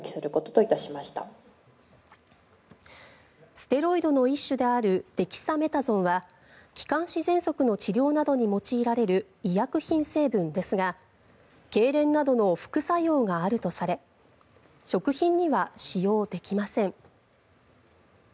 ステロイドの一種であるデキサメタゾンは気管支ぜんそくの治療などに用いられる医薬品成分ですがけいれんなどの副作用があるとされ食品には使用できません。